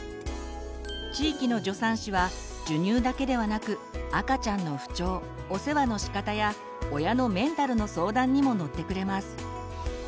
地域の助産師は授乳だけではなく赤ちゃんの不調お世話のしかたや親のメンタルの相談にも乗ってくれます。